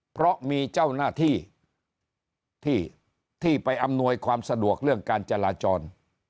เพราะมีเจ้าหน้าที่ที่ไปอำนวยความสะดวกเรื่องการจราจร